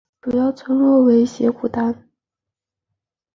主要村落为斜古丹。